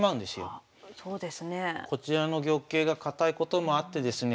あそうですね。こちらの玉形が堅いこともあってですね